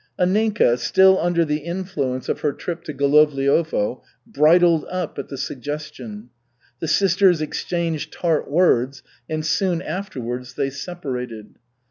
Anninka, still under the influence of her trip to Golovliovo, bridled up at the suggestion. The sisters exchanged tart words, and soon afterwards they separated.